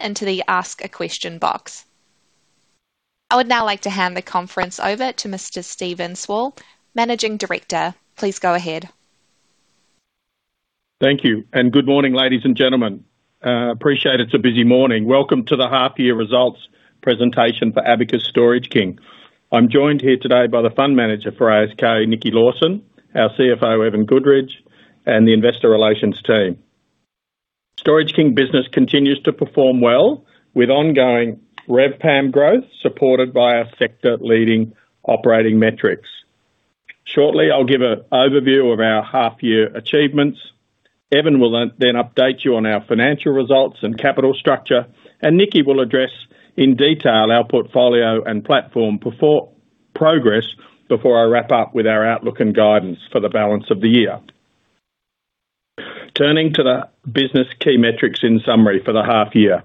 Into the Ask a Question box. I would now like to hand the conference over to Mr. Steven Sewell, Managing Director. Please go ahead. Thank you, and good morning, ladies and gentlemen. Appreciate it's a busy morning. Welcome to the half year results presentation for Abacus Storage King. I'm joined here today by the fund manager for ASK, Nikki Lawson, our CFO, Evan Goodridge, and the investor relations team. Storage King business continues to perform well with ongoing RevPAM growth, supported by our sector-leading operating metrics. Shortly, I'll give an overview of our half-year achievements. Evan will then update you on our financial results and capital structure, and Nikki will address, in detail, our portfolio and platform performance progress before I wrap up with our outlook and guidance for the balance of the year. Turning to the business key metrics in summary for the half year.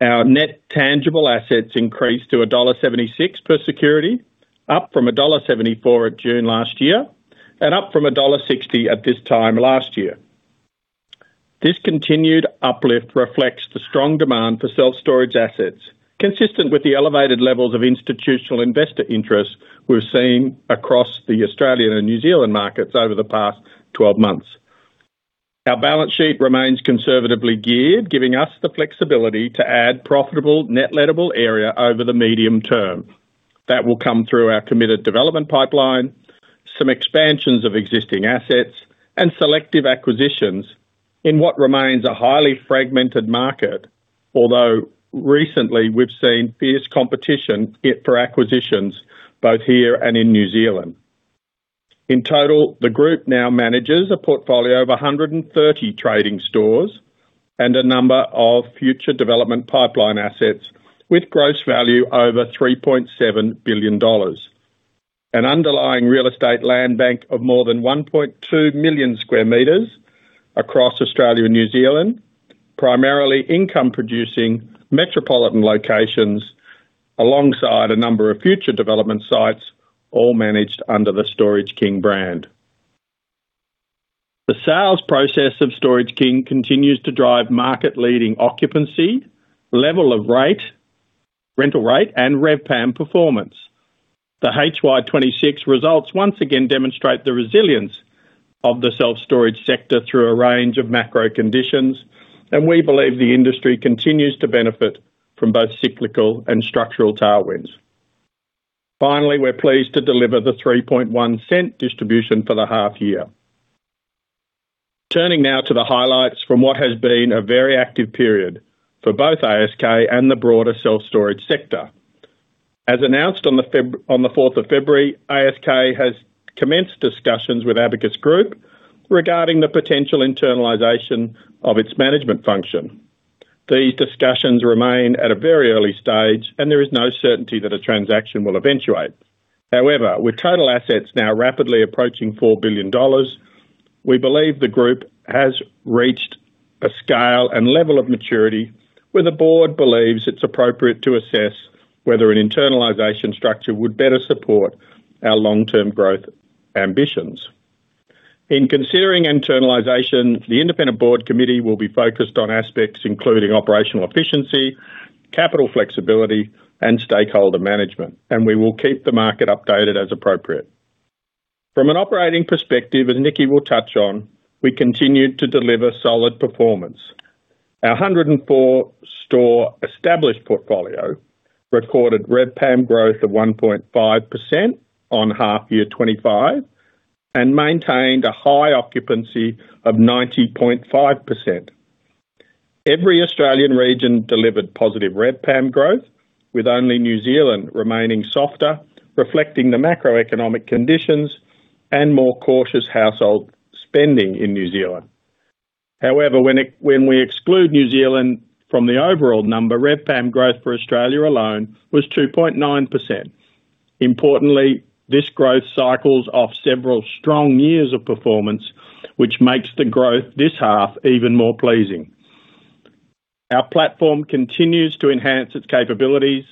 Our net tangible assets increased to dollar 1.76 per security, up from dollar 1.74 at June last year, and up from dollar 1.60 at this time last year. This continued uplift reflects the strong demand for self-storage assets, consistent with the elevated levels of institutional investor interest we've seen across the Australian and New Zealand markets over the past twelve months. Our balance sheet remains conservatively geared, giving us the flexibility to add profitable net lettable area over the medium term. That will come through our committed development pipeline, some expansions of existing assets, and selective acquisitions in what remains a highly fragmented market, although recently we've seen fierce competition for acquisitions, both here and in New Zealand. In total, the group now manages a portfolio of 130 trading stores and a number of future development pipeline assets with gross value over 3.7 billion dollars. An underlying real estate land bank of more than 1.2 million sq m across Australia and New Zealand, primarily income-producing metropolitan locations, alongside a number of future development sites, all managed under the Storage King brand. The sales process of Storage King continues to drive market-leading occupancy, level of rate, rental rate, and RevPAM performance. The HY 2026 results once again demonstrate the resilience of the self-storage sector through a range of macro conditions, and we believe the industry continues to benefit from both cyclical and structural tailwinds. Finally, we're pleased to deliver the 0.031 distribution for the half year. Turning now to the highlights from what has been a very active period for both ASK and the broader self-storage sector. As announced on the fourth of February, ASK has commenced discussions with Abacus Group regarding the potential internalization of its management function. These discussions remain at a very early stage, and there is no certainty that a transaction will eventuate. However, with total assets now rapidly approaching 4 billion dollars, we believe the group has reached a scale and level of maturity where the board believes it's appropriate to assess whether an internalization structure would better support our long-term growth ambitions. In considering internalization, the independent board committee will be focused on aspects including operational efficiency, capital flexibility, and stakeholder management, and we will keep the market updated as appropriate. From an operating perspective, as Nikki will touch on, we continued to deliver solid performance. Our 104-store established portfolio recorded RevPAM growth of 1.5% on half year 2025 and maintained a high occupancy of 90.5%. Every Australian region delivered positive RevPAM growth, with only New Zealand remaining softer, reflecting the macroeconomic conditions and more cautious household spending in New Zealand. However, when we exclude New Zealand from the overall number, RevPAM growth for Australia alone was 2.9%. Importantly, this growth cycles off several strong years of performance, which makes the growth this half even more pleasing. Our platform continues to enhance its capabilities,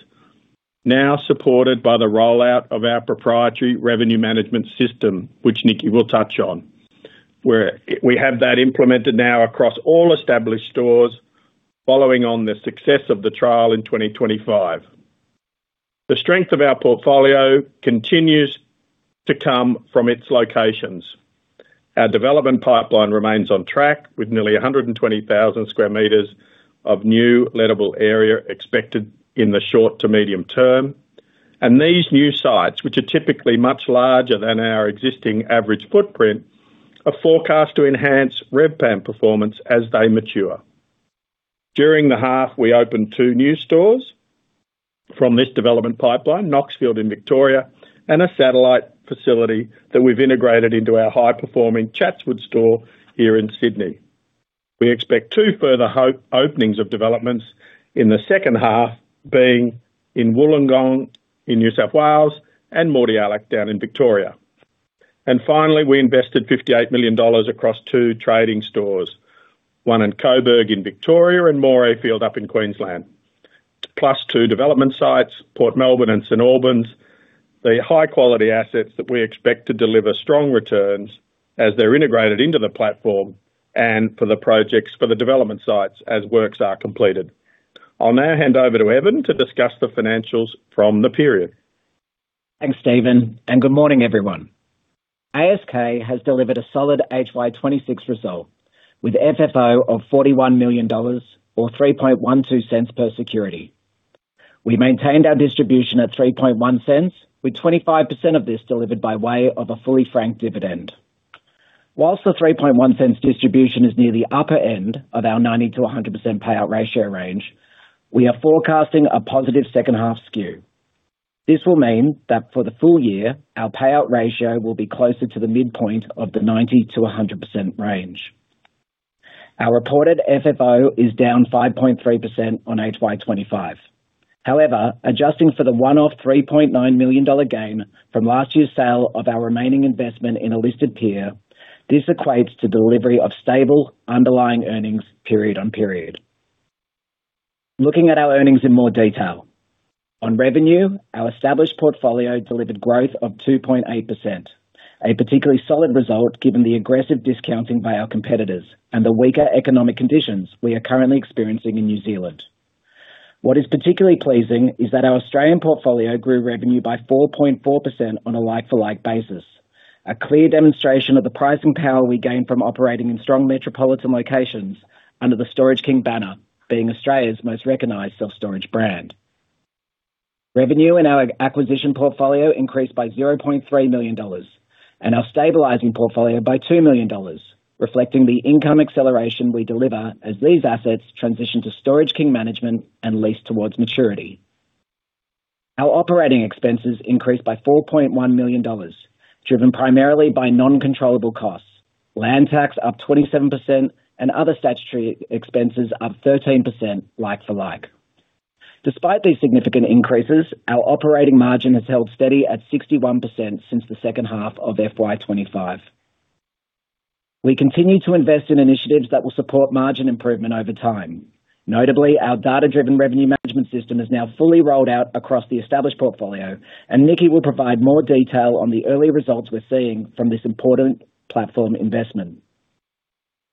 now supported by the rollout of our proprietary revenue management system, which Nikki will touch on. We have that implemented now across all established stores, following on the success of the trial in 2025. The strength of our portfolio continues to come from its locations. Our development pipeline remains on track, with nearly 120,000 sq m of new lettable area expected in the short to medium term. And these new sites, which are typically much larger than our existing average footprint, are forecast to enhance RevPAM performance as they mature. During the half, we opened two new stores from this development pipeline, Knoxfield in Victoria, and a satellite facility that we've integrated into our high-performing Chatswood store here in Sydney. We expect two further openings of developments in the second half, being in Wollongong, in New South Wales, and Mordialloc, down in Victoria. And finally, we invested 58 million dollars across 2 trading stores, one in Coburg, in Victoria, and Morayfield up in Queensland, plus two development sites, Port Melbourne and St Albans. They're high-quality assets that we expect to deliver strong returns as they're integrated into the platform and for the projects for the development sites as works are completed. I'll now hand over to Evan to discuss the financials from the period. Thanks, Steven, and good morning, everyone. ASK has delivered a solid FY 2026 result with FFO of 41 million dollars or 0.0312 per security. We maintained our distribution at 0.031, with 25% of this delivered by way of a fully franked dividend. Whilst the 0.031 distribution is near the upper end of our 90%-100% payout ratio range, we are forecasting a positive second half skew. This will mean that for the full year, our payout ratio will be closer to the midpoint of the 90%-100% range. Our reported FFO is down 5.3% on FY 2025. However, adjusting for the one-off 3.9 million dollar gain from last year's sale of our remaining investment in a listed peer, this equates to delivery of stable underlying earnings period-on-period. Looking at our earnings in more detail. On revenue, our established portfolio delivered growth of 2.8%, a particularly solid result given the aggressive discounting by our competitors and the weaker economic conditions we are currently experiencing in New Zealand. What is particularly pleasing is that our Australian portfolio grew revenue by 4.4% on a like-for-like basis, a clear demonstration of the pricing power we gain from operating in strong metropolitan locations under the Storage King banner, being Australia's most recognized self-storage brand. Revenue in our acquisition portfolio increased by 0.3 million dollars and our stabilizing portfolio by 2 million dollars, reflecting the income acceleration we deliver as these assets transition to Storage King management and lease towards maturity. Our operating expenses increased by 4.1 million dollars, driven primarily by non-controllable costs. Land tax up 27% and other statutory expenses up 13% like for like. Despite these significant increases, our operating margin has held steady at 61% since the second half of FY 2025. We continue to invest in initiatives that will support margin improvement over time. Notably, our data-driven revenue management system is now fully rolled out across the established portfolio, and Nikki will provide more detail on the early results we're seeing from this important platform investment.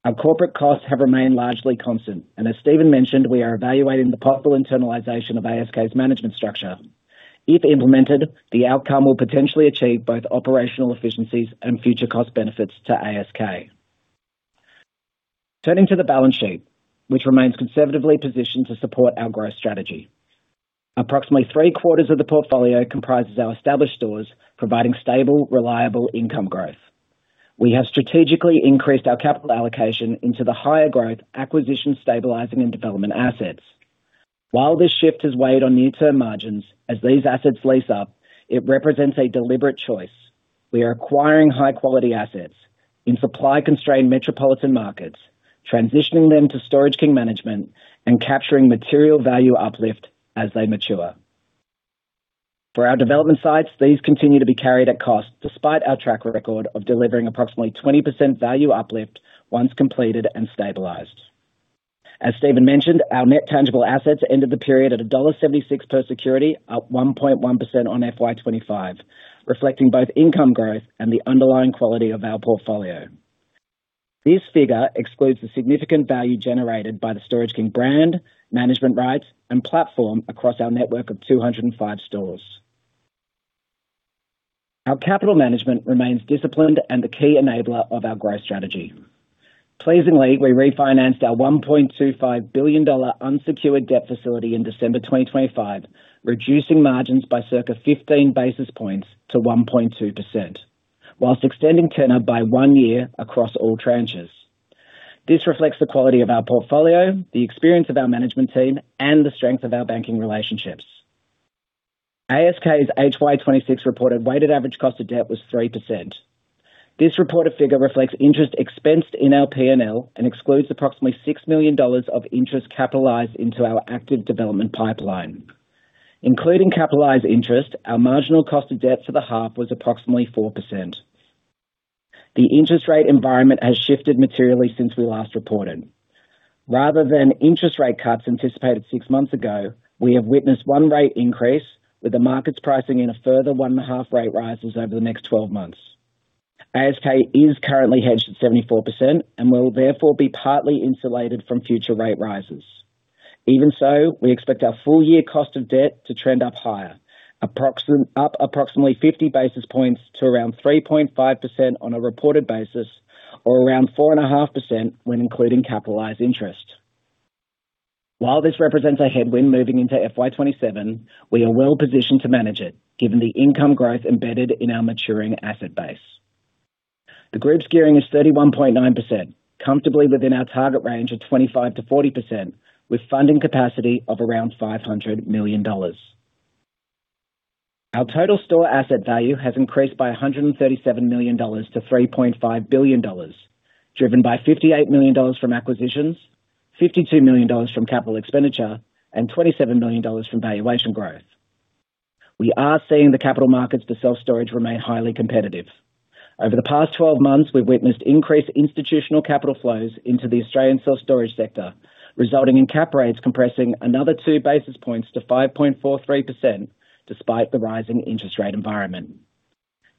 Our corporate costs have remained largely constant, and as Steven mentioned, we are evaluating the possible internalization of ASK's management structure. If implemented, the outcome will potentially achieve both operational efficiencies and future cost benefits to ASK. Turning to the balance sheet, which remains conservatively positioned to support our growth strategy. Approximately three-quarters of the portfolio comprises our established stores, providing stable, reliable income growth. We have strategically increased our capital allocation into the higher growth acquisition, stabilizing, and development assets. While this shift has weighed on near-term margins as these assets lease up, it represents a deliberate choice. We are acquiring high-quality assets in supply-constrained metropolitan markets, transitioning them to Storage King management and capturing material value uplift as they mature. For our development sites, these continue to be carried at cost, despite our track record of delivering approximately 20% value uplift once completed and stabilized. As Steven mentioned, our net tangible assets ended the period at dollar 1.76 per security, up 1.1% on FY 2025, reflecting both income growth and the underlying quality of our portfolio. This figure excludes the significant value generated by the Storage King brand, management rights, and platform across our network of 205 stores. Our capital management remains disciplined and the key enabler of our growth strategy. Pleasingly, we refinanced our 1.25 billion dollar unsecured debt facility in December 2025, reducing margins by circa 15 basis points to 1.2%, while extending tenor by one year across all tranches. This reflects the quality of our portfolio, the experience of our management team, and the strength of our banking relationships. ASK's HY 2026 reported weighted average cost of debt was 3%. This reported figure reflects interest expensed in our P&L and excludes approximately 6 million dollars of interest capitalized into our active development pipeline. Including capitalized interest, our marginal cost of debt for the half was approximately 4%. The interest rate environment has shifted materially since we last reported. Rather than interest rate cuts anticipated six months ago, we have witnessed one rate increase, with the markets pricing in a further 1.5 rate rises over the next 12 months. ASK is currently hedged at 74% and will therefore be partly insulated from future rate rises. Even so, we expect our full-year cost of debt to trend up higher, up approximately 50 basis points to around 3.5% on a reported basis, or around 4.5% when including capitalized interest. While this represents a headwind moving into FY 2027, we are well positioned to manage it, given the income growth embedded in our maturing asset base. The group's gearing is 31.9%, comfortably within our target range of 25%-40%, with funding capacity of around 500 million dollars. Our total store asset value has increased by 137 million dollars to 3.5 billion dollars, driven by 58 million dollars from acquisitions, 52 million dollars from capital expenditure, and 27 million dollars from valuation growth. We are seeing the capital markets to self-storage remain highly competitive. Over the past 12 months, we've witnessed increased institutional capital flows into the Australian self-storage sector, resulting in cap rates compressing another two basis points to 5.43% despite the rising interest rate environment.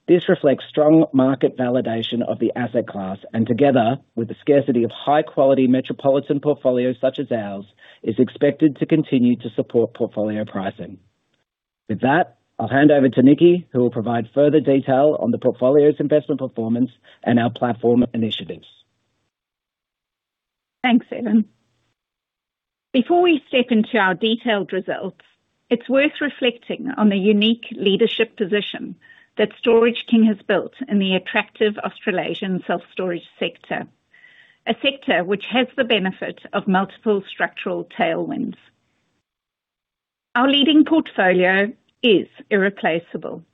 This reflects strong market validation of the asset class, and together with the scarcity of high-quality metropolitan portfolios such as ours, is expected to continue to support portfolio pricing. With that, I'll hand over to Nikki, who will provide further detail on the portfolio's investment performance and our platform initiatives. Thanks, Evan. Before we step into our detailed results, it's worth reflecting on the unique leadership position that Storage King has built in the attractive Australasian self-storage sector. A sector which has the benefit of multiple structural tailwinds. Our leading portfolio is irreplaceable.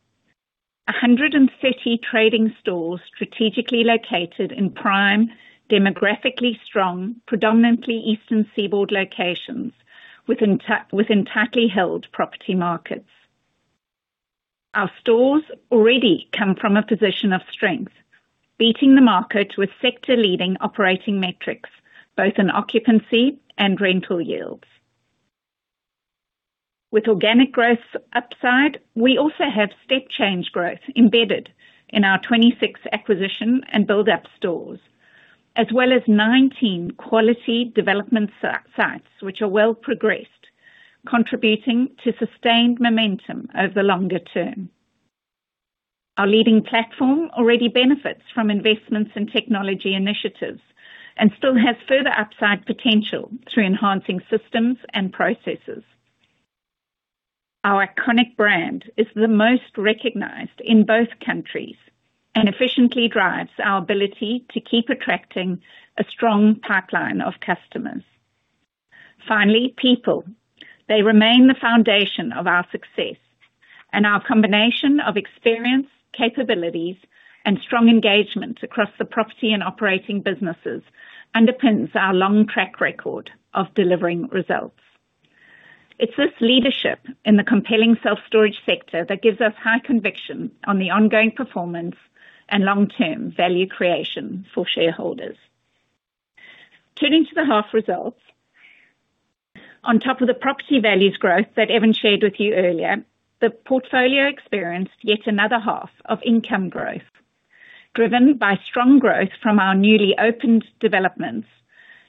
130 trading stores strategically located in prime, demographically strong, predominantly eastern seaboard locations, with entirely held property markets. Our stores already come from a position of strength, beating the market with sector-leading operating metrics, both in occupancy and rental yields. With organic growth upside, we also have step change growth embedded in our 26 acquisition and build-up stores, as well as 19 quality development sites which are well progressed, contributing to sustained momentum over the longer term. Our leading platform already benefits from investments in technology initiatives and still has further upside potential through enhancing systems and processes. Our iconic brand is the most recognized in both countries and efficiently drives our ability to keep attracting a strong pipeline of customers. Finally, people. They remain the foundation of our success and our combination of experience, capabilities, and strong engagement across the property and operating businesses underpins our long track record of delivering results. It's this leadership in the compelling self-storage sector that gives us high conviction on the ongoing performance and long-term value creation for shareholders. Turning to the half results. On top of the property values growth that Evan shared with you earlier, the portfolio experienced yet another half of income growth, driven by strong growth from our newly opened developments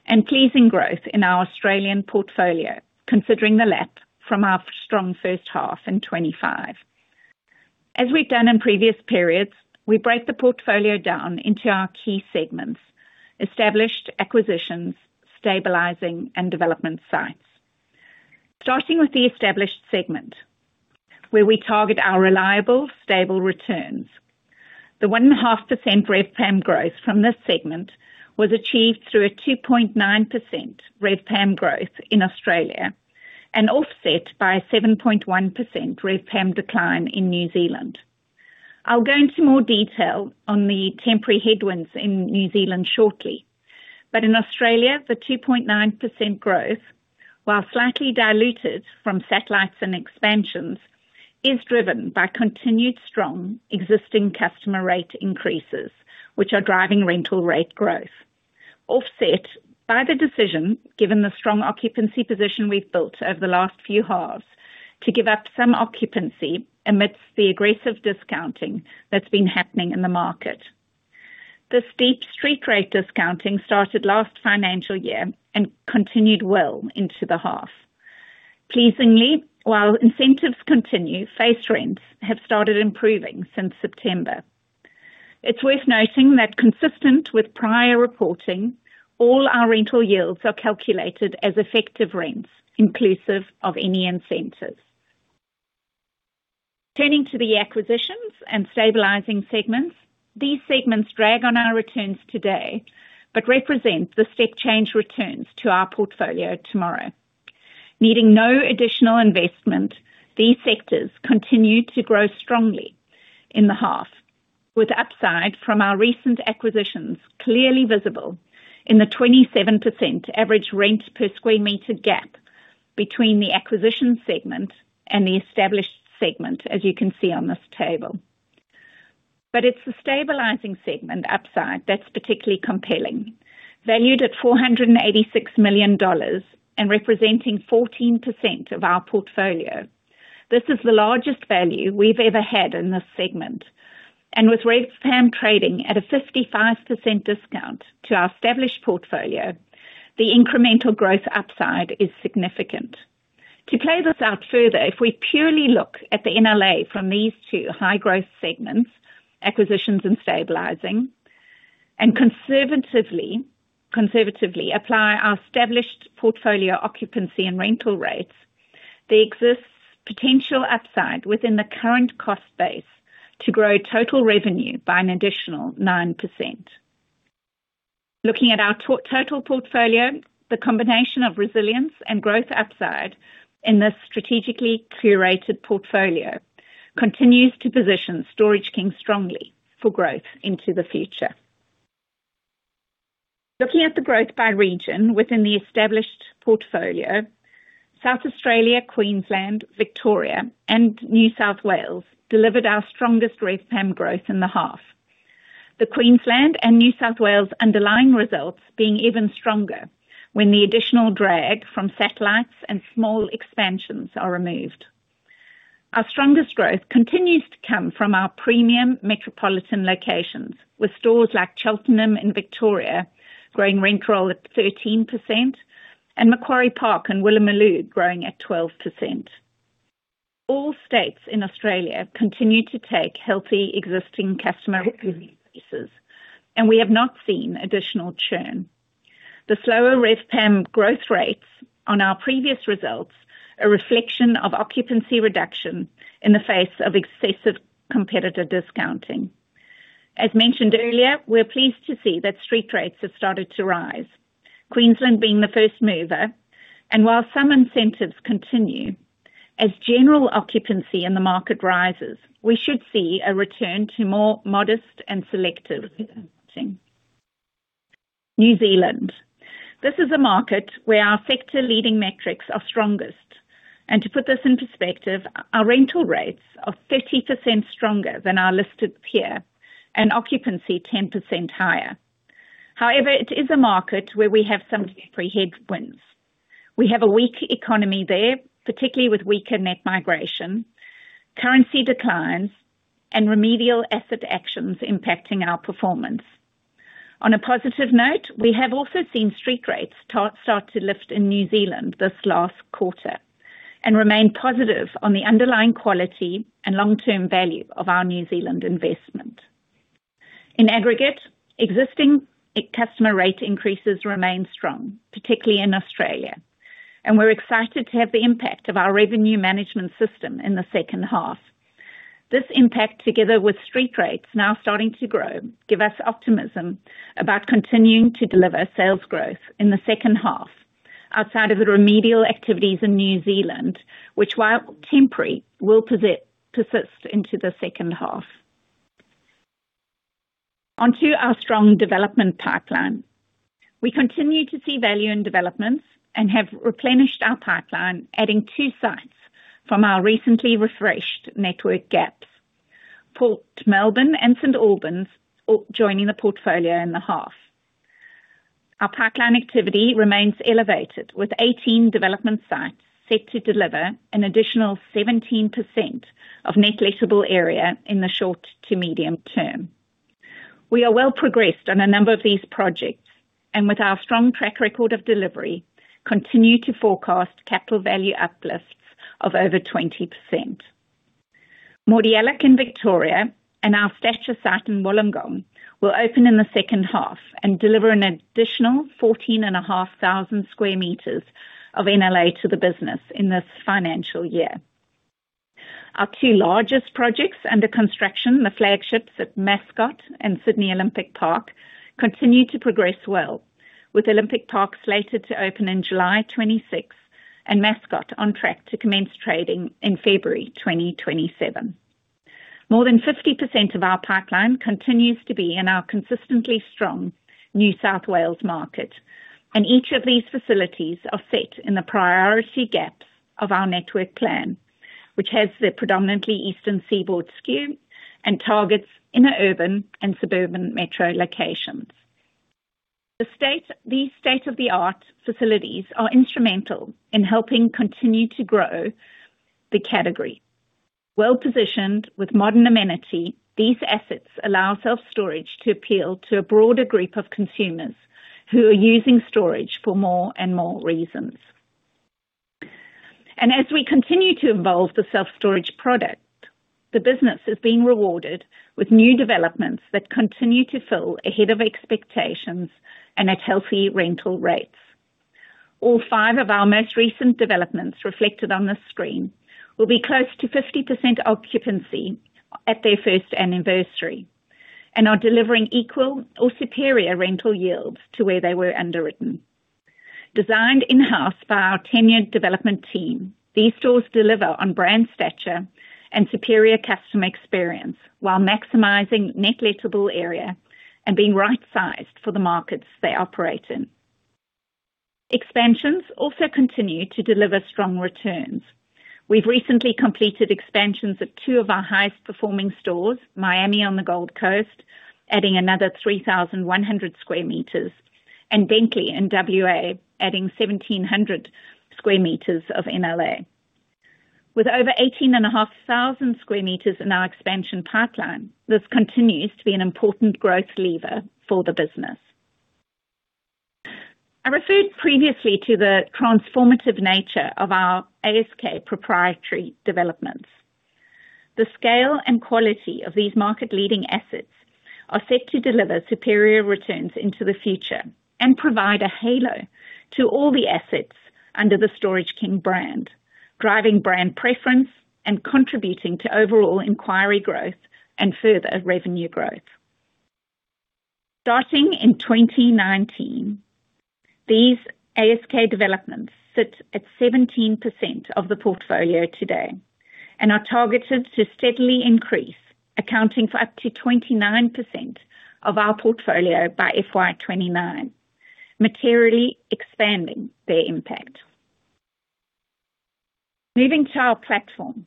and pleasing growth in our Australian portfolio considering the lap from our strong first half in 2025. As we've done in previous periods, we break the portfolio down into our key segments: established, acquisitions, stabilizing, and development sites. Starting with the established segment, where we target our reliable, stable returns. The 1.5% RevPAM growth from this segment was achieved through a 2.9% RevPAM growth in Australia and offset by a 7.1% RevPAM decline in New Zealand. I'll go into more detail on the temporary headwinds in New Zealand shortly, but in Australia, the 2.9% growth, while slightly diluted from satellites and expansions, is driven by continued strong existing customer rate increases, which are driving rental rate growth. Offset by the decision, given the strong occupancy position we've built over the last few halves, to give up some occupancy amidst the aggressive discounting that's been happening in the market. This deep Street Rate discounting started last financial year and continued well into the half. Pleasingly, while incentives continue, face rents have started improving since September. It's worth noting that consistent with prior reporting, all our rental yields are calculated as effective rents, inclusive of any incentives. Turning to the acquisitions and stabilizing segments. These segments drag on our returns today, but represent the step change returns to our portfolio tomorrow. Needing no additional investment, these sectors continued to grow strongly in the half, with upside from our recent acquisitions clearly visible in the 27% average rent per square meter gap between the acquisition segment and the established segment, as you can see on this table. But it's the stabilizing segment upside that's particularly compelling. Valued at 486 million dollars and representing 14% of our portfolio, this is the largest value we've ever had in this segment, and with RevPAM trading at a 55% discount to our established portfolio, the incremental growth upside is significant. To play this out further, if we purely look at the NLA from these two high growth segments, acquisitions and stabilizing, and conservatively apply our established portfolio occupancy and rental rates, there exists potential upside within the current cost base to grow total revenue by an additional 9%. Looking at our total portfolio, the combination of resilience and growth upside in this strategically curated portfolio continues to position Storage King strongly for growth into the future. Looking at the growth by region within the established portfolio, South Australia, Queensland, Victoria, and New South Wales delivered our strongest RevPAM growth in the half. The Queensland and New South Wales underlying results being even stronger when the additional drag from satellites and small expansions are removed. Our strongest growth continues to come from our premium metropolitan locations, with stores like Cheltenham in Victoria growing rent roll at 13% and Macquarie Park and Woolloomooloo growing at 12%. All states in Australia continue to take healthy existing customer increases, and we have not seen additional churn. The slower RevPAM growth rates on our previous results are a reflection of occupancy reduction in the face of excessive competitor discounting. As mentioned earlier, we're pleased to see that street rates have started to rise, Queensland being the first mover. While some incentives continue, as general occupancy in the market rises, we should see a return to more modest and selective pricing. New Zealand. This is a market where our sector-leading metrics are strongest, and to put this in perspective, our rental rates are 30% stronger than our listed peer and occupancy 10% higher. However, it is a market where we have some temporary headwinds. We have a weak economy there, particularly with weaker net migration, currency declines and remedial asset actions impacting our performance. On a positive note, we have also seen street rates start to lift in New Zealand this last quarter and remain positive on the underlying quality and long-term value of our New Zealand investment. In aggregate, existing customer rate increases remain strong, particularly in Australia, and we're excited to have the impact of our revenue management system in the second half. This impact, together with street rates now starting to grow, give us optimism about continuing to deliver sales growth in the second half outside of the remedial activities in New Zealand, which, while temporary, will persist into the second half. On to our strong development pipeline. We continue to see value in developments and have replenished our pipeline, adding two sites from our recently refreshed network gaps. Port Melbourne and St Albans are joining the portfolio in the half. Our pipeline activity remains elevated, with 18 development sites set to deliver an additional 17% of net lettable area in the short to medium term. We are well progressed on a number of these projects and with our strong track record of delivery, continue to forecast capital value uplifts of over 20%. Mordialloc in Victoria and our satellite site in Wollongong will open in the second half and deliver an additional 14,500 sq m of NLA to the business in this financial year. Our two largest projects under construction, the flagships at Mascot and Sydney Olympic Park, continue to progress well, with Olympic Park slated to open in 26 July and Mascot on track to commence trading in February 2027. More than 50% of our pipeline continues to be in our consistently strong New South Wales market, and each of these facilities are set in the priority gaps of our network plan, which has the predominantly eastern seaboard skew and targets inner urban and suburban metro locations. These state-of-the-art facilities are instrumental in helping continue to grow the category. Well-positioned with modern amenity, these assets allow self-storage to appeal to a broader group of consumers who are using storage for more and more reasons. as we continue to evolve the self-storage product, the business is being rewarded with new developments that continue to fill ahead of expectations and at healthy rental rates. All five of our most recent developments reflected on this screen, will be close to 50% occupancy at their first anniversary and are delivering equal or superior rental yields to where they were underwritten. Designed in-house by our tenured development team, these stores deliver on brand stature and superior customer experience while maximizing net lettable area and being right-sized for the markets they operate in. Expansions also continue to deliver strong returns. We've recently completed expansions of two of our highest performing stores, Miami on the Gold Coast, adding another 3,100 sq m, and Dingley in WA, adding 1,700 sq m of NLA. With over 18,500 sq m in our expansion pipeline, this continues to be an important growth lever for the business. I referred previously to the transformative nature of our ASK proprietary developments. The scale and quality of these market-leading assets are set to deliver superior returns into the future and provide a halo to all the assets under the Storage King brand, driving brand preference and contributing to overall inquiry growth and further revenue growth. These ASK developments sit at 17% of the portfolio today and are targeted to steadily increase, accounting for up to 29% of our portfolio by FY 2029, materially expanding their impact. Moving to our platform.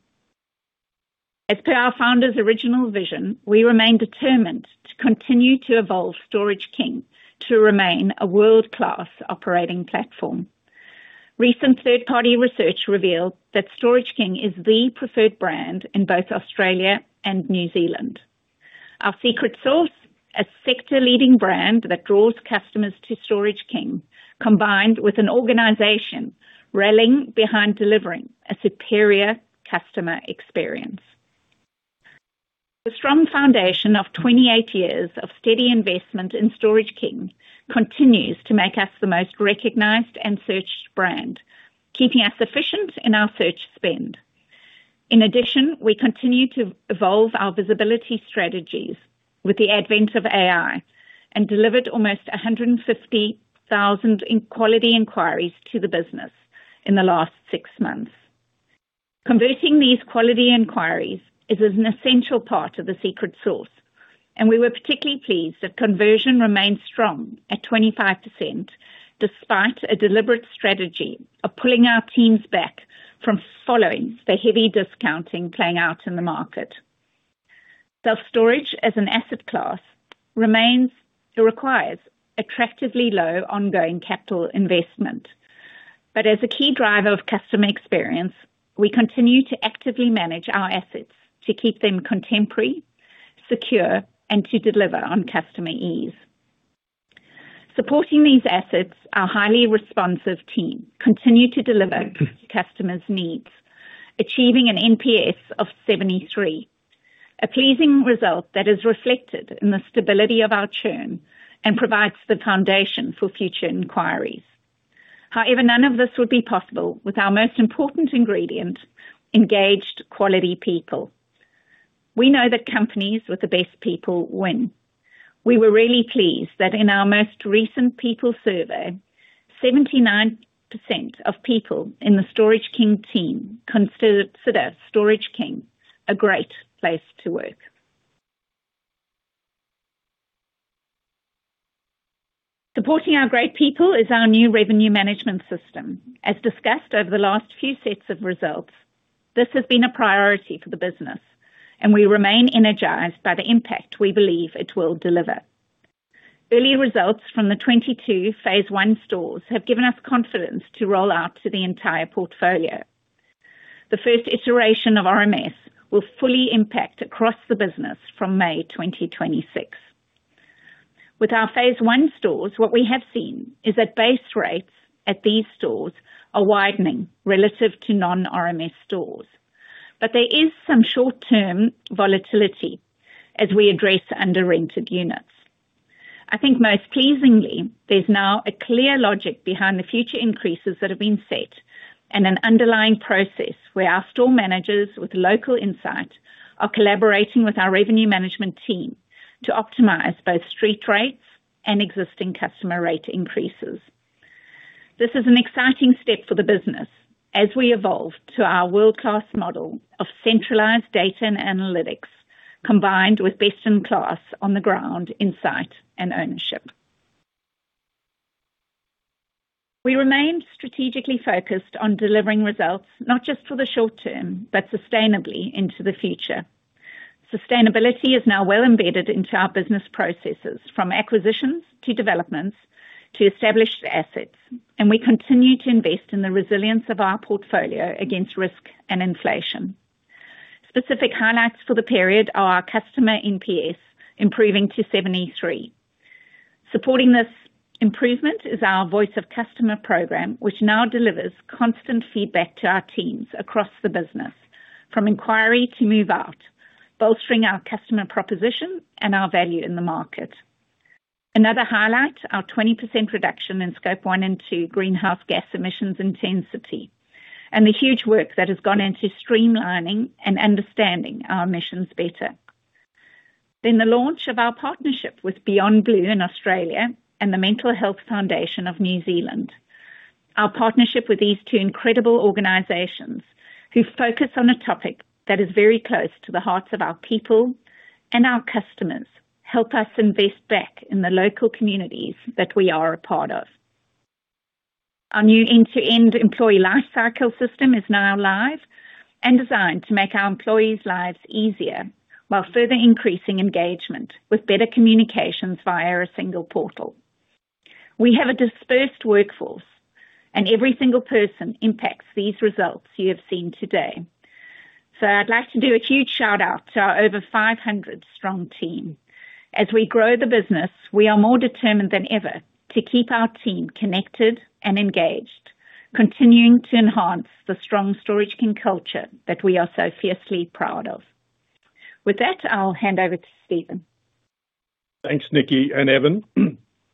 As per our founder's original vision, we remain determined to continue to evolve Storage King to remain a world-class operating platform. Recent third-party research revealed that Storage King is the preferred brand in both Australia and New Zealand. Our secret sauce, a sector leading brand that draws customers to Storage King, combined with an organization rallying behind delivering a superior customer experience. The strong foundation of 28 years of steady investment in Storage King continues to make us the most recognized and searched brand, keeping us efficient in our search spend. In addition, we continue to evolve our visibility strategies with the advent of AI, and delivered almost 150,000 in quality inquiries to the business in the last six months. Converting these quality inquiries is an essential part of the secret sauce, and we were particularly pleased that conversion remained strong at 25%, despite a deliberate strategy of pulling our teams back from following the heavy discounting playing out in the market. Self-storage as an asset class remains. It requires attractively low ongoing capital investment. But as a key driver of customer experience, we continue to actively manage our assets to keep them contemporary, secure, and to deliver on customer ease. Supporting these assets, our highly responsive team continue to deliver customers' needs, achieving an NPS of 73. A pleasing result that is reflected in the stability of our churn and provides the foundation for future inquiries. However, none of this would be possible without our most important ingredient, engaged, quality people. We know that companies with the best people win. We were really pleased that in our most recent people survey, 79% of people in the Storage King team consider Storage King a great place to work. Supporting our great people is our new revenue management system. As discussed over the last few sets of results, this has been a priority for the business, and we remain energized by the impact we believe it will deliver. Early results from the 22 phase one stores have given us confidence to roll out to the entire portfolio. The first iteration of RMS will fully impact across the business from May 2026. With our phase one stores, what we have seen is that base rates at these stores are widening relative to non-RMS stores. But there is some short-term volatility as we address under-rented units. I think most pleasingly, there's now a clear logic behind the future increases that have been set and an underlying process where our store managers with local insight are collaborating with our revenue management team to optimize both street rates and existing customer rate increases. This is an exciting step for the business as we evolve to our world-class model of centralized data and analytics, combined with best-in-class on-the-ground insight and ownership. We remain strategically focused on delivering results not just for the short term, but sustainably into the future. Sustainability is now well embedded into our business processes, from acquisitions to developments to established assets, and we continue to invest in the resilience of our portfolio against risk and inflation. Specific highlights for the period are our customer NPS, improving to 73. Supporting this improvement is our Voice of Customer program, which now delivers constant feedback to our teams across the business, from inquiry to move out, bolstering our customer proposition and our value in the market. Another highlight, our 20% reduction in Scope one and two greenhouse gas emissions intensity, and the huge work that has gone into streamlining and understanding our emissions better. Then the launch of our partnership with Beyond Blue in Australia and the Mental Health Foundation of New Zealand. Our partnership with these two incredible organizations, who focus on a topic that is very close to the hearts of our people and our customers, help us invest back in the local communities that we are a part of. Our new end-to-end employee lifecycle system is now live and designed to make our employees' lives easier while further increasing engagement with better communications via a single portal. We have a dispersed workforce, and every single person impacts these results you have seen today. So I'd like to do a huge shout-out to our over 500-strong team. As we grow the business, we are more determined than ever to keep our team connected and engaged, continuing to enhance the strong Storage King culture that we are so fiercely proud of. With that, I'll hand over to Steven. Thanks, Nikki and Evan.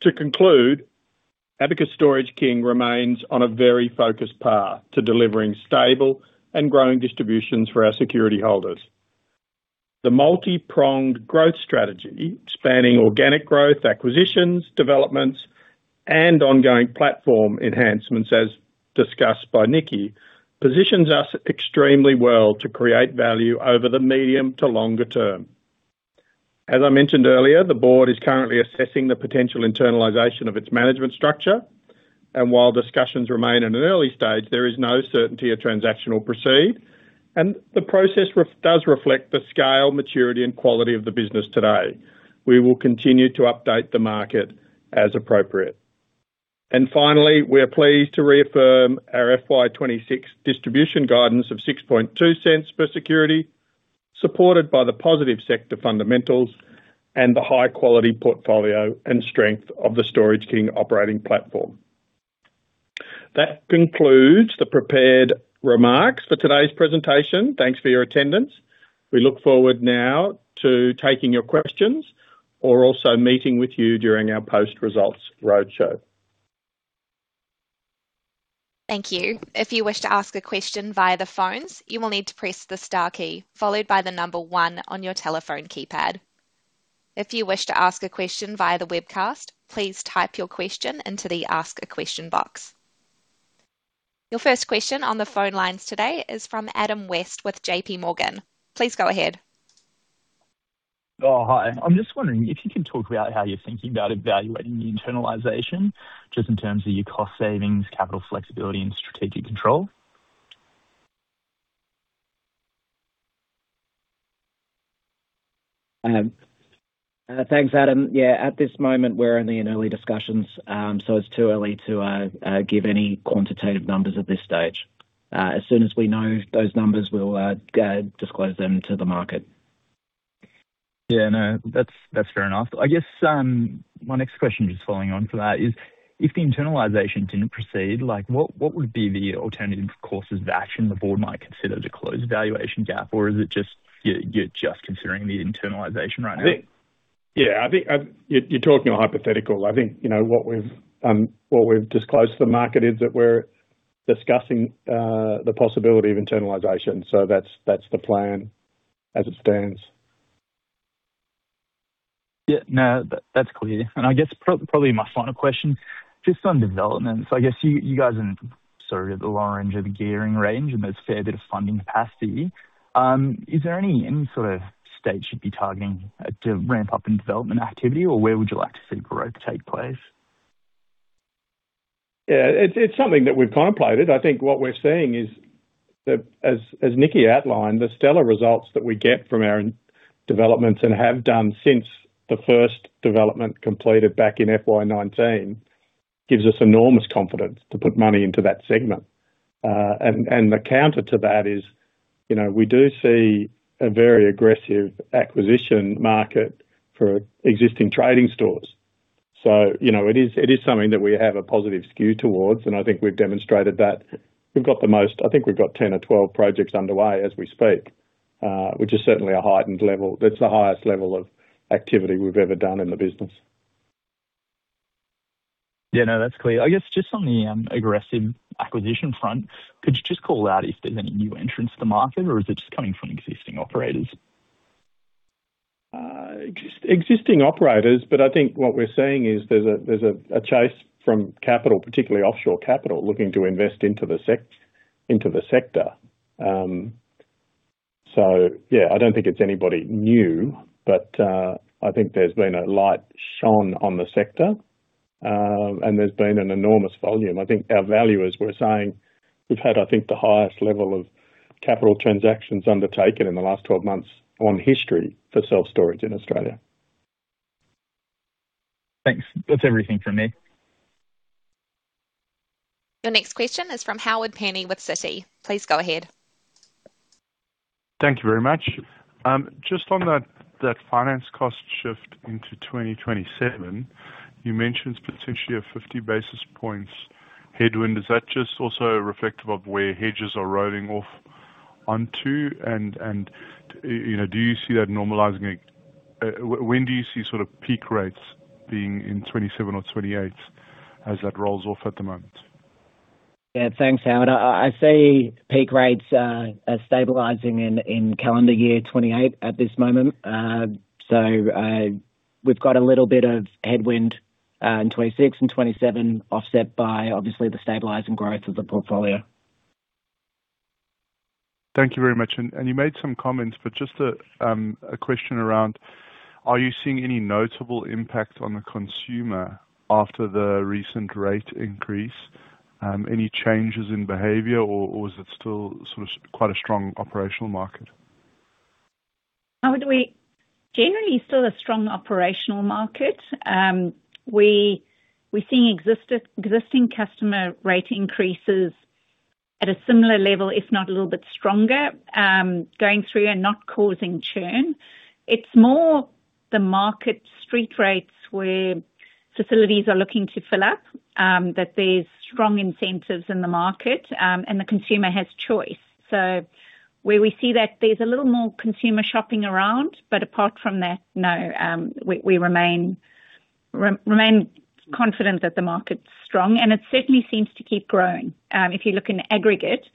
To conclude, Abacus Storage King remains on a very focused path to delivering stable and growing distributions for our security holders. The multipronged growth strategy spanning organic growth, acquisitions, developments, and ongoing platform enhancements, as discussed by Nicky, positions us extremely well to create value over the medium to longer term. As I mentioned earlier, the board is currently assessing the potential internalization of its management structure, and while discussions remain at an early stage, there is no certainty a transaction will proceed, and the process does reflect the scale, maturity, and quality of the business today. We will continue to update the market as appropriate. And finally, we are pleased to reaffirm our FY 2026 distribution guidance of 0.062 per security, supported by the positive sector fundamentals and the high-quality portfolio and strength of the Storage King operating platform. That concludes the prepared remarks for today's presentation. Thanks for your attendance. We look forward now to taking your questions or also meeting with you during our post-results roadshow. Thank you. If you wish to ask a question via the phones, you will need to press the star key followed by the number one on your telephone keypad. If you wish to ask a question via the webcast, please type your question into the Ask a Question box. Your first question on the phone lines today is from Adam West with J.P.Morgan. Please go ahead. Oh, hi. I'm just wondering if you could talk about how you're thinking about evaluating the internalization, just in terms of your cost savings, capital flexibility, and strategic control? Thanks, Adam. Yeah, at this moment, we're only in early discussions, so it's too early to give any quantitative numbers at this stage. As soon as we know those numbers, we'll disclose them to the market. Yeah. No, that's fair enough. I guess, my next question, just following on from that is, if the internalization didn't proceed, like, what would be the alternative courses of action the board might consider to close the valuation gap? Or is it just you're just considering the internalization right now? I think. Yeah, I think, you're, you're talking a hypothetical. I think, you know, what we've, what we've disclosed to the market is that we're discussing the possibility of internalization, so that's, that's the plan as it stands. Yeah. No, that's clear. And I guess probably my final question, just on developments, I guess you guys are sort of at the lower end of the gearing range, and there's a fair bit of funding capacity. Is there any sort of states you should be targeting to ramp up in development activity, or where would you like to see growth take place? Yeah, it's, it's something that we've contemplated. I think what we're seeing is that, as, as Nikki outlined, the stellar results that we get from our in- developments and have done since the first development completed back in FY 2019, gives us enormous confidence to put money into that segment. And, and the counter to that is, you know, we do see a very aggressive acquisition market for existing trading stores. So you know, it is, it is something that we have a positive skew towards, and I think we've demonstrated that. We've got the most I think we've got 10 or 12 projects underway as we speak, which is certainly a heightened level. That's the highest level of activity we've ever done in the business. Yeah, no, that's clear. I guess just on the aggressive acquisition front, could you just call out if there's any new entrants to the market or is it just coming from existing operators? Existing operators, but I think what we're seeing is there's a chase from capital, particularly offshore capital, looking to invest into the sector. So yeah, I don't think it's anybody new, but I think there's been a light shone on the sector, and there's been an enormous volume. I think our valuers were saying we've had, I think, the highest level of capital transactions undertaken in the last 12 months in history for self-storage in Australia. Thanks. That's everything from me. Your next question is from Howard Penny with Citi. Please go ahead. Thank you very much. Just on that, that finance cost shift into 2027, you mentioned potentially a 50 basis points headwind. Is that just also reflective of where hedges are rolling off onto and, and, you know, do you see that normalizing again? When do you see sort of peak rates being in 2027 or 2028, as that rolls off at the moment? Yeah, thanks, Howard. I see peak rates stabilizing in calendar year 2028 at this moment. So, we've got a little bit of headwind in 2026 and 2027, offset by obviously the stabilizing growth of the portfolio. Thank you very much. And you made some comments, but just a question around: are you seeing any notable impact on the consumer after the recent rate increase? Any changes in behavior, or is it still sort of quite a strong operational market? Howard, we generally still a strong operational market. We're seeing existing customer rate increases at a similar level, if not a little bit stronger, going through and not causing churn. It's more the market street rates where facilities are looking to fill up, that there's strong incentives in the market, and the consumer has choice. So where we see that there's a little more consumer shopping around, but apart from that, no. We remain confident that the market's strong, and it certainly seems to keep growing. If you look in aggregate,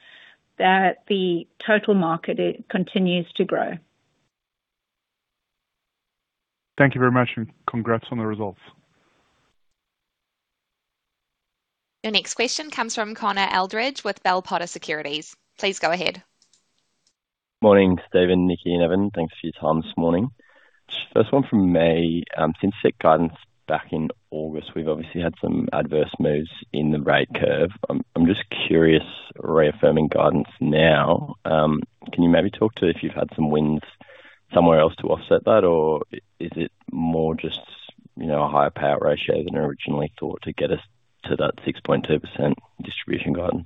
that the total market, it continues to grow. Thank you very much, and congrats on the results. Your next question comes from Connor Eldridge with Bell Potter Securities. Please go ahead. Morning, Steven, Nikki, and Evan. Thanks for your time this morning. Just first one from me. Since set guidance back in August, we've obviously had some adverse moves in the rate curve. I'm just curious, reaffirming guidance now, can you maybe talk to if you've had some wins somewhere else to offset that? Or is it more just, you know, a higher payout ratio than originally thought to get us to that 6.2% distribution guidance?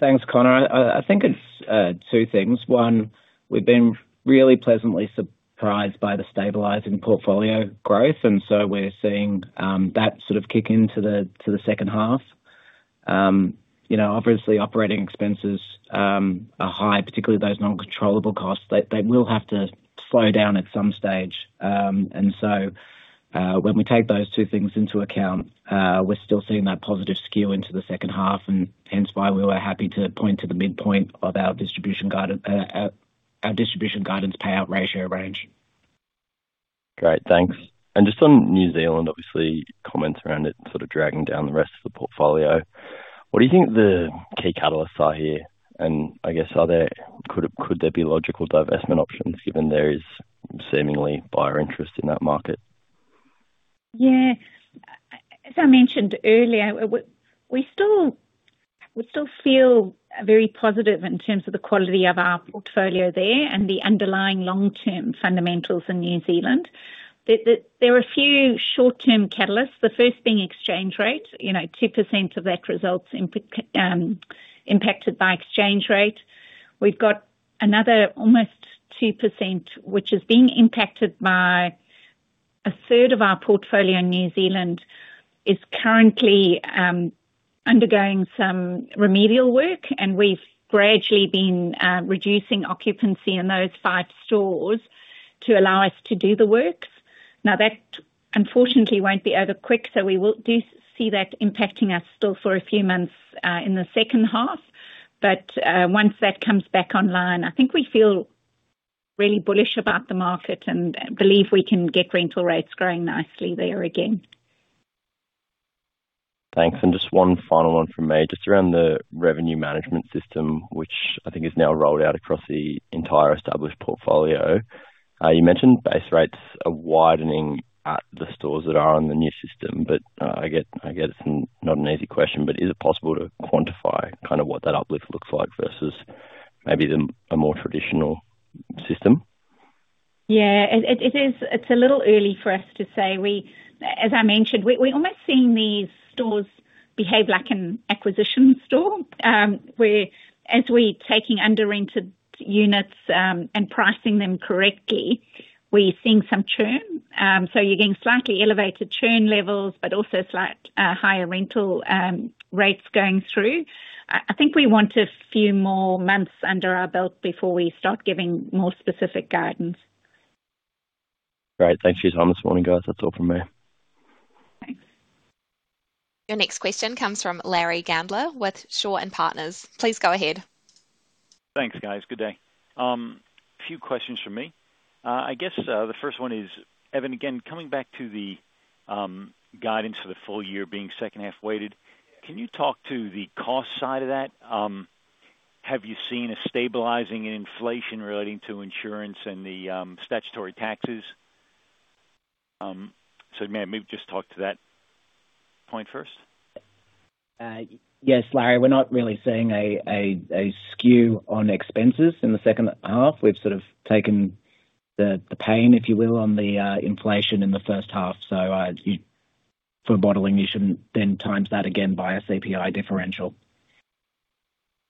Thanks, Connor. I think it's two things. One, we've been really pleasantly surprised by the stabilizing portfolio growth, and so we're seeing that sort of kick into the second half. You know, obviously, operating expenses are high, particularly those non-controllable costs. They will have to slow down at some stage. And so, when we take those two things into account, we're still seeing that positive skew into the second half and hence why we were happy to point to the midpoint of our distribution guidance payout ratio range. Great, thanks. And just on New Zealand, obviously, comments around it sort of dragging down the rest of the portfolio. What do you think the key catalysts are here? And I guess, are there, could there be logical divestment options, given there is seemingly buyer interest in that market? Yeah. As I mentioned earlier, we still feel very positive in terms of the quality of our portfolio there and the underlying long-term fundamentals in New Zealand. There are a few short-term catalysts, the first being exchange rates. You know, 2% of that result's impacted by exchange rate. We've got another almost 2%, which is being impacted by a third of our portfolio in New Zealand, is currently undergoing some remedial work, and we've gradually been reducing occupancy in those five stores to allow us to do the works. Now, that unfortunately won't be over quick, so we will see that impacting us still for a few months in the second half. Once that comes back online, I think we feel really bullish about the market and believe we can get rental rates growing nicely there again. Thanks. Just one final one from me, just around the revenue management system, which I think is now rolled out across the entire established portfolio. You mentioned base rates are widening at the stores that are on the new system, but I get it's not an easy question, but is it possible to quantify kind of what that uplift looks like versus maybe the, a more traditional system? Yeah, it is... It's a little early for us to say. As I mentioned, we're almost seeing these stores behave like an acquisition store. Whereas we're taking underrented units and pricing them correctly, we're seeing some churn. So you're getting slightly elevated churn levels, but also slight higher rental rates going through. I think we want a few more months under our belt before we start giving more specific guidance. Great. Thanks for your time this morning, guys. That's all from me. Thanks. Your next question comes from Larry Gandler with Shaw and Partners. Please go ahead. Thanks, guys. Good day. A few questions from me. I guess, the first one is, Evan, again, coming back to the, guidance for the full year being second half weighted, can you talk to the cost side of that? Have you seen a stabilizing in inflation relating to insurance and the, statutory taxes? So maybe just talk to that point first. Yes, Larry, we're not really seeing a skew on expenses in the second half. We've sort of taken the pain, if you will, on the inflation in the first half. So, for modeling, you should then times that again by a CPI differential.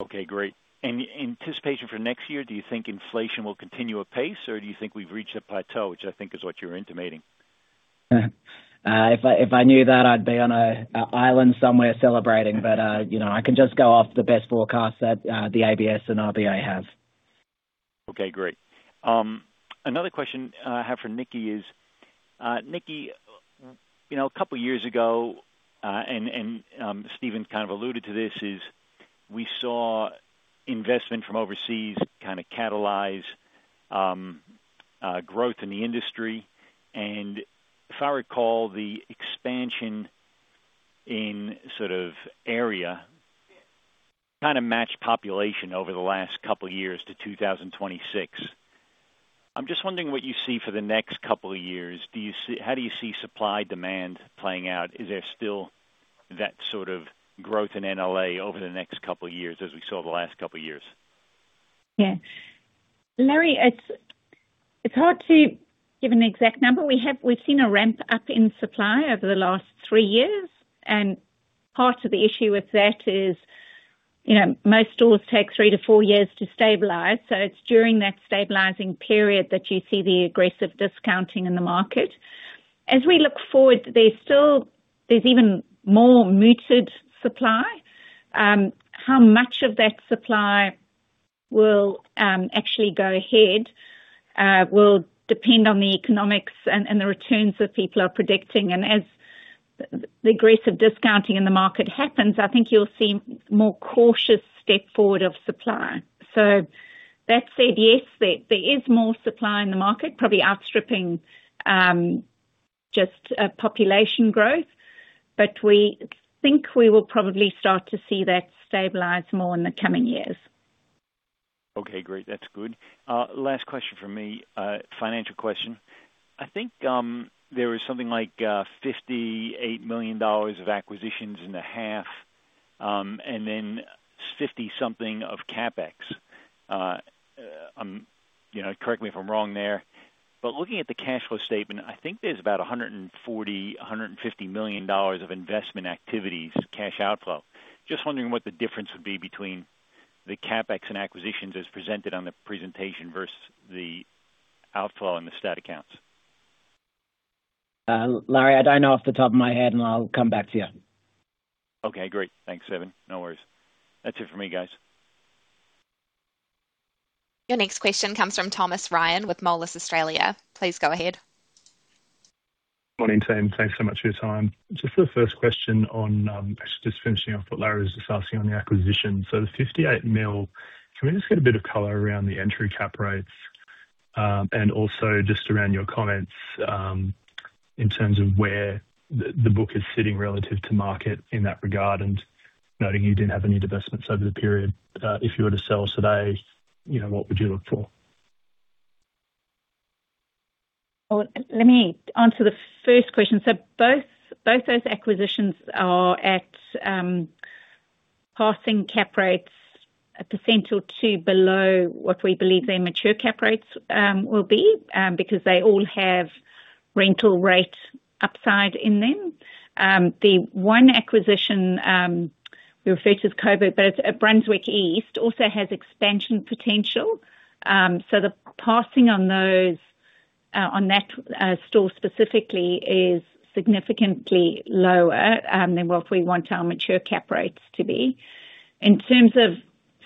Okay, great. And anticipation for next year, do you think inflation will continue apace, or do you think we've reached a plateau, which I think is what you're intimating? If I knew that I'd be on an island somewhere celebrating, but you know, I can just go off the best forecast that the ABS and RBA have. Okay, great. Another question I have for Nikki is, Nikki, you know, a couple of years ago, and Steven kind of alluded to this, we saw investment from overseas kind of catalyze growth in the industry. And if I recall, the expansion in sort of area kind of matched population over the last couple of years to 2026. I'm just wondering what you see for the next couple of years. Do you see how do you see supply/demand playing out? Is there still that sort of growth in NLA over the next couple of years, as we saw the last couple of years? Yeah. Larry, it's hard to give an exact number. We've seen a ramp up in supply over the last three years, and part of the issue with that is, you know, most stores take three to four years to stabilize, so it's during that stabilizing period that you see the aggressive discounting in the market. As we look forward, there's even more muted supply. How much of that supply will actually go ahead will depend on the economics and the returns that people are predicting. And as the aggressive discounting in the market happens, I think you'll see more cautious step forward of supply. So that said, yes, there is more supply in the market, probably outstripping just population growth, but we think we will probably start to see that stabilize more in the coming years. Okay, great. That's good. Last question from me, a financial question. I think, there was something like, 58 million dollars of acquisitions in the half, and then 50-something of CapEx. You know, correct me if I'm wrong there, but looking at the cash flow statement, I think there's about 140 million-150 million dollars of investment activities, cash outflow. Just wondering what the difference would be between the CapEx and acquisitions as presented on the presentation versus the outflow in the stat accounts. Larry, I don't know off the top of my head, and I'll come back to you. Okay, great. Thanks, Evan. No worries. That's it for me, guys. Your next question comes from Thomas Ryan with Moelis Australia. Please go ahead. Morning, team. Thanks so much for your time. Just the first question on actually just finishing off what Larry was just asking on the acquisition. So the 58 million, can we just get a bit of color around the entry cap rates? And also just around your comments in terms of where the book is sitting relative to market in that regard and noting you didn't have any divestments over the period. If you were to sell today, you know, what would you look for? Well, let me answer the first question. So both, both those acquisitions are at passing cap rates, 1% or 2% below what we believe their mature cap rates will be, because they all have rental rate upside in them. The one acquisition we referred to as Coburg, but it's at Brunswick East, also has expansion potential. So the passing on those, on that store specifically is significantly lower than what we want our mature cap rates to be. In terms of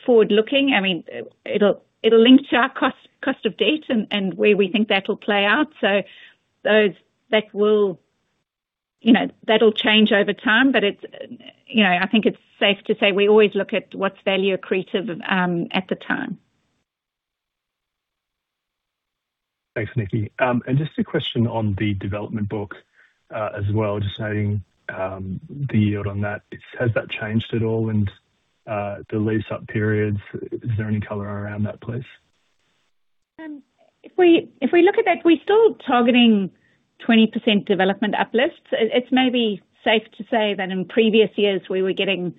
forward-looking, I mean, it'll link to our cost of debt and where we think that'll play out. So those that will you know, that'll change over time, but it's, you know, I think it's safe to say we always look at what's value accretive at the time. Thanks, Nikki. And just a question on the development book, as well, just noting, the yield on that. Has that changed at all and, the lease-up periods, is there any color around that, please? If we, if we look at that, we're still targeting 20% development uplifts. It's maybe safe to say that in previous years we were getting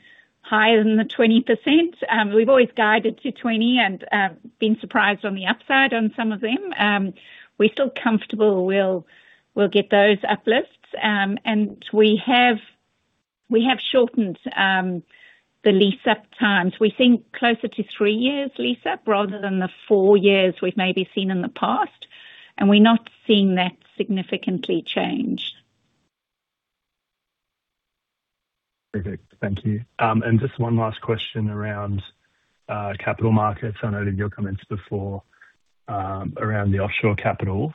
higher than the 20%. We've always guided to 20 and been surprised on the upside on some of them. We're still comfortable we'll, we'll get those uplifts. And we have, we have shortened the lease-up times. We think closer to three years lease up, rather than the four years we've maybe seen in the past, and we're not seeing that significantly change. Perfect. Thank you. Just one last question around capital markets. I know in your comments before, around the offshore capital.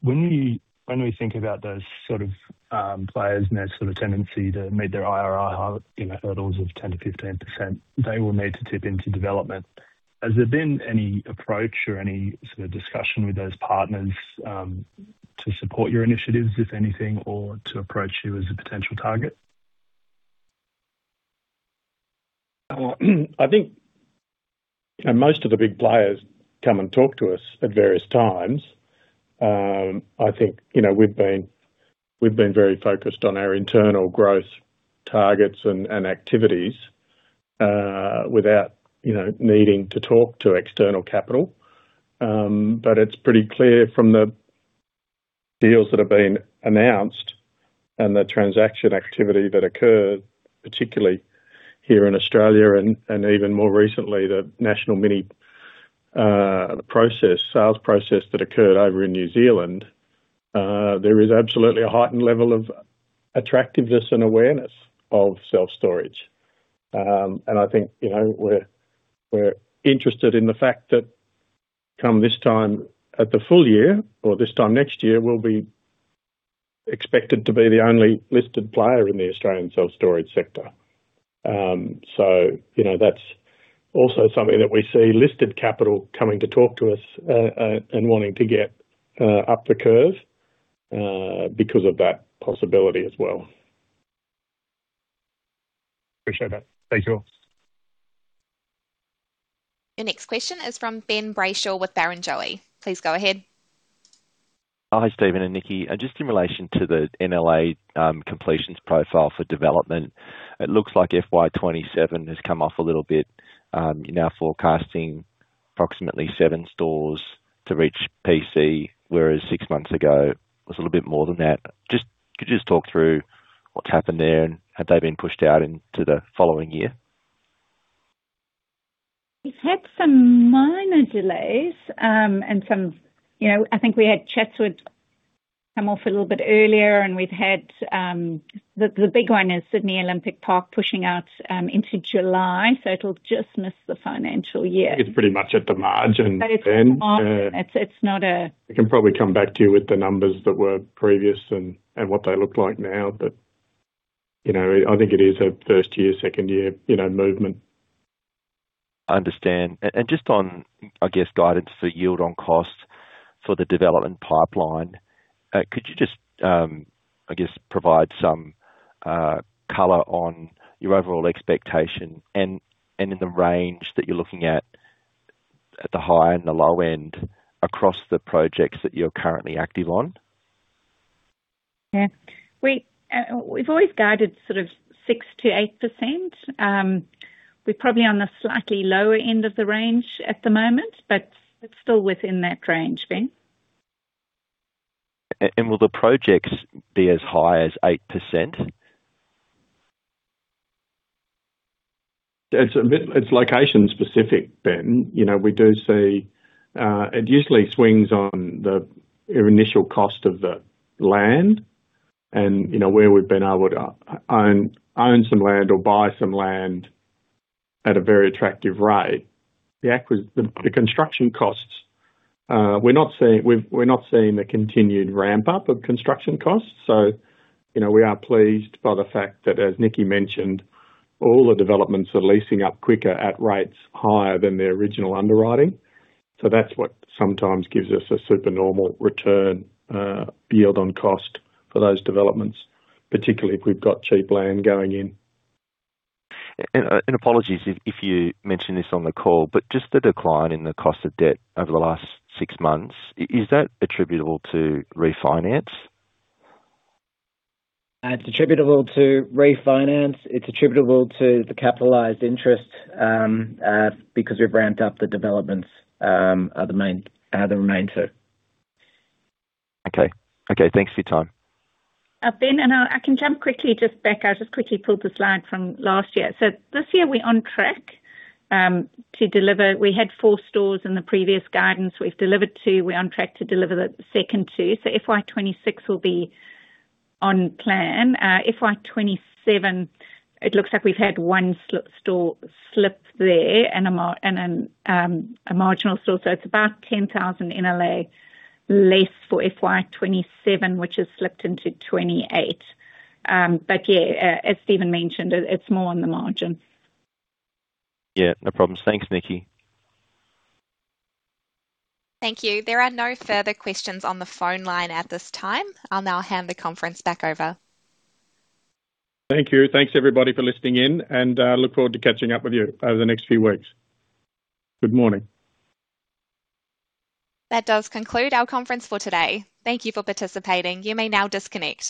When we think about those sort of players and their sort of tendency to meet their IRR, you know, hurdles of 10%-15%, they will need to tip into development. Has there been any approach or any sort of discussion with those partners to support your initiatives, if anything, or to approach you as a potential target? I think, most of the big players come and talk to us at various times. I think, you know, we've been very focused on our internal growth targets and activities, without, you know, needing to talk to external capital. But it's pretty clear from the deals that have been announced and the transaction activity that occurred, particularly here in Australia and even more recently, the National Storage sales process that occurred over in New Zealand There is absolutely a heightened level of attractiveness and awareness of self-storage. And I think, you know, we're interested in the fact that come this time at the full year or this time next year, we'll be expected to be the only listed player in the Australian self-storage sector. So you know, that's also something that we see listed capital coming to talk to us and wanting to get up the curve because of that possibility as well. Appreciate that. Thank you. Your next question is from Ben Brayshaw with Barrenjoey. Please go ahead. Hi, Steven and Nikki. Just in relation to the NLA, completions profile for development, it looks like FY 2027 has come off a little bit. You're now forecasting approximately seven stores to reach PC, whereas six months ago it was a little bit more than that. Just, could you just talk through what's happened there, and have they been pushed out into the following year? We've had some minor delays, and some, you know, I think we had Chatswood come off a little bit earlier, and we've had the big one is Sydney Olympic Park pushing out into July, so it'll just miss the financial year. It's pretty much at the margin, Ben. It's on, it's not a- We can probably come back to you with the numbers that were previous and what they look like now. But, you know, I think it is a first year, second year, you know, movement. Understand. And just on, I guess, guidance for yield on costs for the development pipeline, could you just, I guess, provide some color on your overall expectation and, and in the range that you're looking at, at the high and the low end across the projects that you're currently active on? Yeah. We've always guided sort of 6%-8%. We're probably on the slightly lower end of the range at the moment, but it's still within that range, Ben. Will the projects be as high as 8%? It's a bit. It's location specific, Ben. You know, we do see it usually swings on the initial cost of the land and, you know, where we've been able to own some land or buy some land at a very attractive rate. The construction costs, we're not seeing the continued ramp up of construction costs, so, you know, we are pleased by the fact that, as Nikki mentioned, all the developments are leasing up quicker at rates higher than their original underwriting. So that's what sometimes gives us a super normal return, yield on cost for those developments, particularly if we've got cheap land going in. Apologies if you mentioned this on the call, but just the decline in the cost of debt over the last six months, is that attributable to refinance? It's attributable to refinance. It's attributable to the capitalized interest because we've ramped up the developments. Are the main two. Okay. Okay, thanks for your time. Ben, and I can jump quickly just back. I just quickly pulled the slide from last year. So this year we're on track to deliver. We had four stores in the previous guidance. We've delivered two. We're on track to deliver the second two. So FY 2026 will be on plan. FY 2027, it looks like we've had one store slip there and a marginal store, so it's about 10,000 NLA less for FY 2027, which has slipped into 2028. But as Steven mentioned, it's more on the margin. Yeah, no problems. Thanks, Nikki. Thank you. There are no further questions on the phone line at this time. I'll now hand the conference back over. Thank you. Thanks, everybody, for listening in, and look forward to catching up with you over the next few weeks. Good morning. That does conclude our conference for today. Thank you for participating. You may now disconnect.